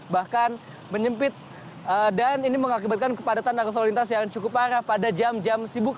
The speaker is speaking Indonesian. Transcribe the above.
bahkan menyempit dan ini mengakibatkan kepadatan arus lalu lintas yang cukup parah pada jam jam sibuk